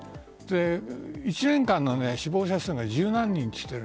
１年間の死亡者数が十何人と言っている。